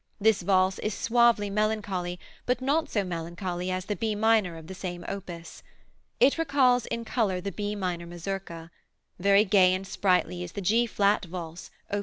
This valse is suavely melancholy, but not so melancholy as the B minor of the same opus. It recalls in color the B minor mazurka. Very gay and sprightly is the G flat Valse, op.